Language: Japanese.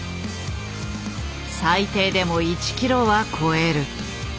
最低でも１キロは超える。